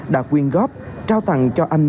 đã quyên góp trao tặng cho anh